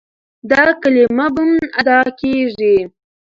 دا کلمه بم ادا کېږي.